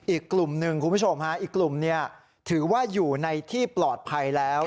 อีกกลุ่มหนึ่งคุณผู้ชมฮะอีกกลุ่มเนี่ยถือว่าอยู่ในที่ปลอดภัยแล้ว